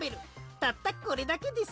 たったこれだけです。